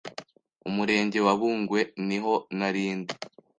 Umurenge wa Bungwe niho narindi